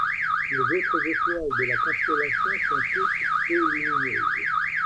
Les autres étoiles de la constellation sont toutes peu lumineuses.